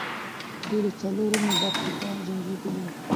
دوی له څلورمې برخې نه جنګېدلې وو.